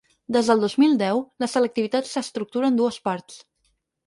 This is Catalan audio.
Des del dos mil deu, la selectivitat s’estructura en dues parts.